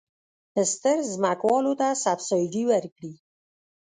ستر ځمکوالو ته سبسایډي ورکړي.